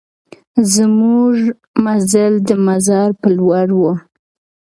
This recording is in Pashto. زمونږ مزل د مزار په لور و.